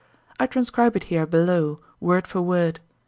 I transcribe it here below, word for word.